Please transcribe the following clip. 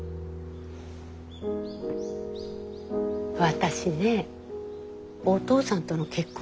私ねおとうさんとの結婚